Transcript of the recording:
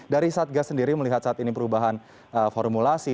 dari satgas sendiri melihat saat ini perubahan formulasi